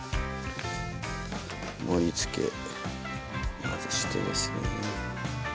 盛りつけまずしてですね。